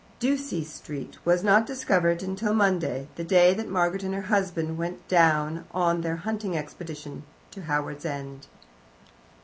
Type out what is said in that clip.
Ducie Street was not discovered till the Monday, the day that Margaret and her husband went down on their hunting expedition to Howards End.